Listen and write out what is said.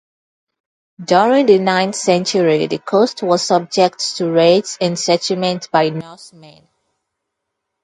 During the ninth century the coast was subject to raids and settlement by Norsemen.